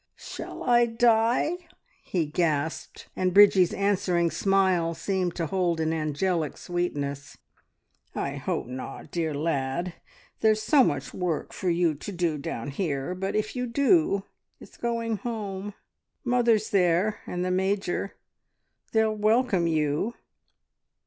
"Shall I die?" he gasped, and Bridgie's answering smile seemed to hold an angelic sweetness. "I hope not, dear lad. There's so much work for you to do down here, but if you do it's going home! Mother's there, and the Major! They'll welcome you!"